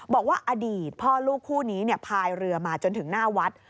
บอกว่าอดีตพ่อลูกคู่นี้พายเรือมาจนถึงหน้าวัด